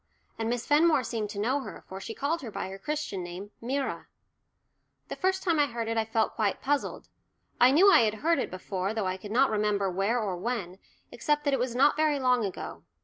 And Miss Fenmore seemed to know her, for she called her by her Christian name "Myra." The first time I heard it I felt quite puzzled. I knew I had heard it before, though I could not remember where or when, except that it was not very long ago.